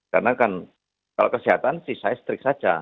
karena kalau kesehatan sih saya setrik saja